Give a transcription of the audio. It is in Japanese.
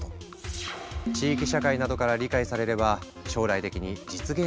地域社会などから理解されれば将来的に実現する可能性があるんだって。